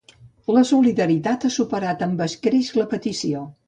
La solidaritat ha superat amb escreix la petició.